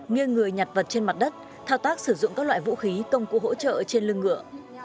nghiêng người nhặt vật trên mặt đất thao tác sử dụng các loại vũ khí công cụ hỗ trợ trên lưng ngựa